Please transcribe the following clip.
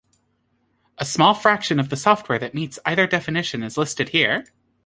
A small fraction of the software that meets either definition is listed here.